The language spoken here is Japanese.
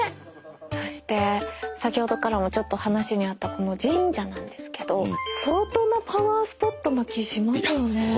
そして先ほどからもちょっと話にあったこの神社なんですけど相当なパワースポットな気しますよね。